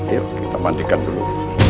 yuk kita mandikan dulu